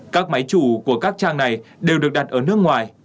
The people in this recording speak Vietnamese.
các máy chủ của các trang này đều được đặt ở nước ngoài